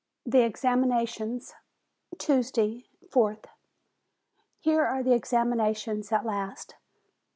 THE EXAMINATIONS Tuesday, 4th. Here are the examinations at last!